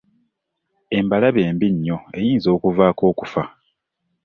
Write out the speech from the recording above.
Embalabe mbi nnyo eyinza n'okuvaako okufa.